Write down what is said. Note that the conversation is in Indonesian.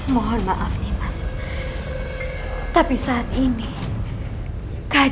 paman rasa juga seperti itu